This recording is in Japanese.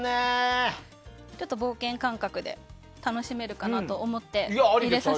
冒険感覚で楽しめるかなと思って。